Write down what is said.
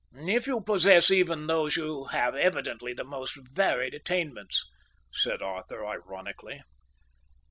"If you possess even these you have evidently the most varied attainments," said Arthur ironically.